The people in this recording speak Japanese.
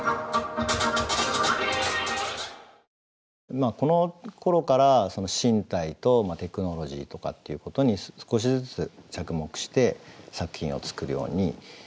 まあこのころから身体とテクノロジーとかっていうことに少しずつ着目して作品を作るようになります。